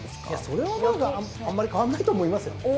それはあんまり変わんないと思いますよ。